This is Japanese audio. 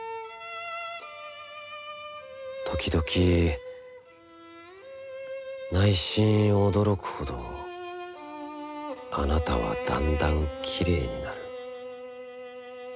時々内心おどろくほどあなたはだんだんきれいになる」。